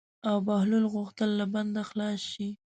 او بهلول غوښتل چې له بنده خلاص شي.